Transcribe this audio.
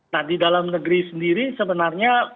nah di dalam negeri sendiri sebenarnya